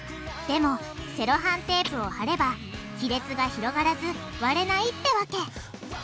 でもセロハンテープをはれば亀裂が広がらず割れないってわけ。